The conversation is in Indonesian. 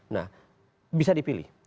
nah bisa dipilih